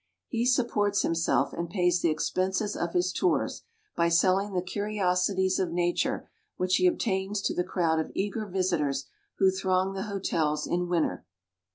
He supports himself, and pays the expenses of his tours, by selling the curiosities of Nature which he obtains to the crowd of eager visitors who throng the hotels in winter.